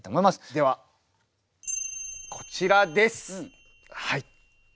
ではこちらです。